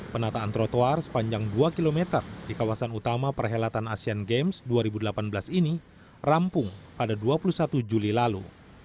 penataan trotoar sepanjang dua km di kawasan utama perhelatan asean games dua ribu delapan belas ini rampung pada dua puluh satu juli lalu